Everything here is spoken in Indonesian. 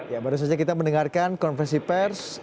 ya baru saja kita mendengarkan konversi pers